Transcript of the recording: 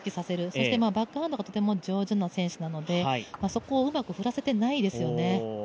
そしてバックハンドがとても上手な選手なのでそこをうまく振らせてないですよね。